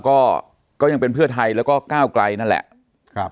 ก็ก็ยังเป็นเพื่อไทยแล้วก็ก้าวไกลนั่นแหละครับ